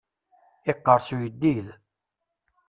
Iqqers uyeddid.